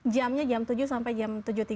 jamnya jam tujuh sampai jam tujuh tiga puluh